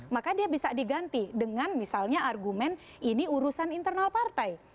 maka dia bisa diganti dengan misalnya argumen ini urusan internal partai